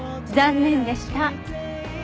残念でした。